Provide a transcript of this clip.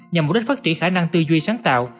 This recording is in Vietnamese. nhằm mục đích phát triển khả năng tư duy sáng tạo